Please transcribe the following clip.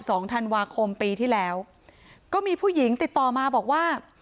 สองธันวาคมปีที่แล้วก็มีผู้หญิงติดต่อมาบอกว่า